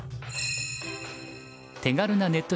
手軽なネット